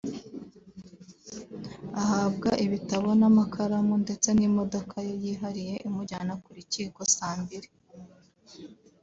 ahabwa ibitabo n’amakaramu ndetse n’imodoka ye yihariye imujyana ku rukiko saa mbiri